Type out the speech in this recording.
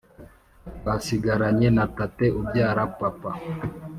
twasigaranye na tate ubyara papa